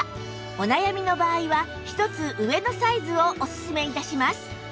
お悩みの場合は１つ上のサイズをおすすめ致します